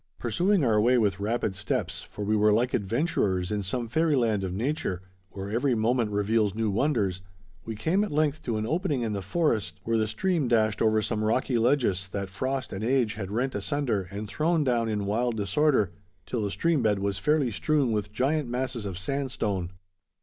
Pursuing our way with rapid steps, for we were like adventurers in some fairy land of nature, where every moment reveals new wonders, we came at length to an opening in the forest, where the stream dashed over some rocky ledges, that frost and age had rent asunder and thrown down in wild disorder, till the stream bed was fairly strewn with giant masses of sandstone.